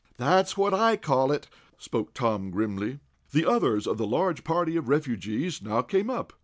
"That's what I call it," spoke Tom, grimly. The others of the larger party of refugees now came up.